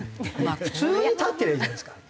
普通に立ってりゃいいじゃないですか。